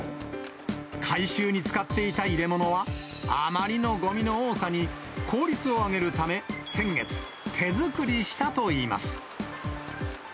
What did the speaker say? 回収に使っていた入れ物は、あまりのごみの多さに効率を上げるため、先月、手作りしたといいます。